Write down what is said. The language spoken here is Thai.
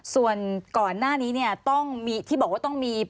ส่วนก่อนหน้านี้ต้องมี